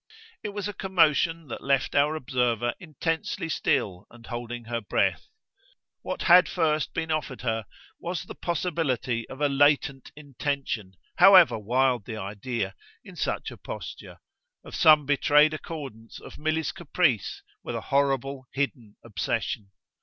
It was a commotion that left our observer intensely still and holding her breath. What had first been offered her was the possibility of a latent intention however wild the idea in such a posture; of some betrayed accordance of Milly's caprice with a horrible hidden obsession.